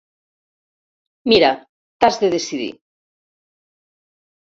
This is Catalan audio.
Mira, t'has de decidir.